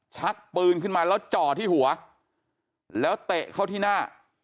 ชักปืนขึ้นมาแล้วจ่อที่หัวแล้วเตะเข้าที่หน้า